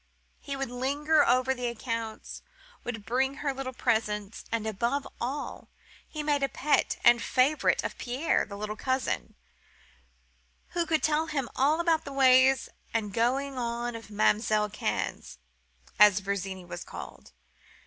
He would linger over the accounts; would bring her little presents; and, above all, he made a pet and favourite of Pierre, the little cousin, who could tell him about all the ways of going on of Mam'selle Cannes, as Virginie was called.